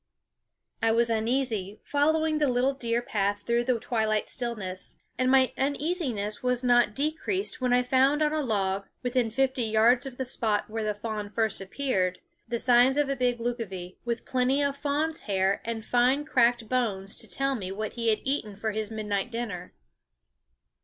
I was uneasy, following the little deer path through the twilight stillness ; and my uneasiness was not decreased when I found on a log, within fifty yards of the spot where the fawn first appeared, the signs of a big lucivee, with plenty of fawn's hair and fine cracked bones to tell me what he had eaten for his midnight dinner.